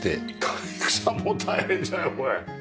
大工さんも大変じゃないこれ！